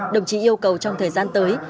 đồng chí yêu cầu trong thời gian tới